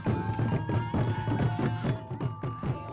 yang tewas di tangan ken arong